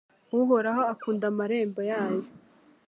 Uhoraho akunda amarembo yayo